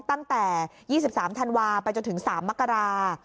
ตั้งแต่ยี่สิบสามธันวาไปจนถึงสามมกรา